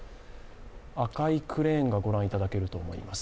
赤いクレーンがご覧いただけると思います。